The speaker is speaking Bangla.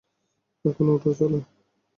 এখন উঠ, চল।